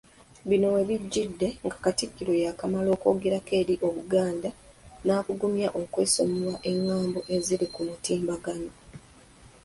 Bino we bijjidde, nga Katikkiro yaakamala okwogerako eri Obuganda n'abugumya okwesonyiwa engambo eziri ku mutimbagano.